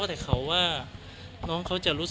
เรียกงานไปเรียบร้อยแล้ว